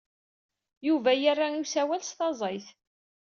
Yuba yerra i usawal s taẓeyt.